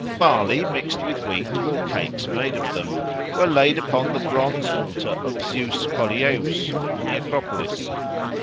Barley mixed with wheat, or cakes made of them, were laid upon the bronze altar of Zeus Polieus on the Acropolis.